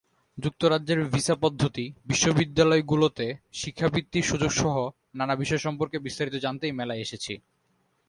যুক্তরাজ্যের ভিসাপদ্ধতি, বিশ্ববিদ্যালয়গুলোতে শিক্ষাবৃত্তির সুযোগসহ নানা বিষয় সম্পর্কে বিস্তারিত জানতেই মেলায় এসেছি।